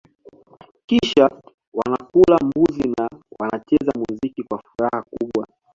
Kisha wanakula mbuzi na wanacheza muziki kwa furaha kubwa